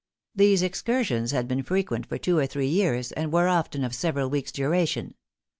These excursions had been frequent for two or three years, and were often of several weeks' duration.